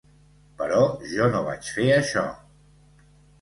Però jo no vaig fer això.